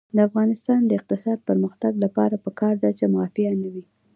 د افغانستان د اقتصادي پرمختګ لپاره پکار ده چې مافیا نه وي.